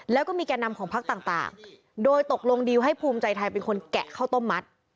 แล้วก็มีแก่นำของพักต่างโดยตกลงดีลให้ภูมิใจไทยเป็นคนแกะข้าวต้มมัด